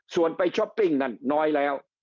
ส่วนไปช้อปปิ้งนั่นน้อยแล้ว